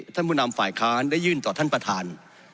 ผู้นำฝ่ายค้านได้ยื่นต่อท่านประธาน